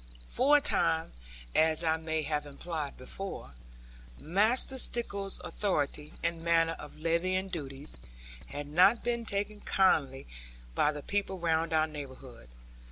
For a time (as I may have implied before) Master Stickles's authority, and manner of levying duties, had not been taken kindly by the people round our neighbourhood.